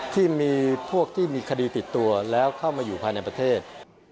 ที่มีพวกที่มีคดีติดตัวแล้วเข้ามาอยู่ภายในประเทศ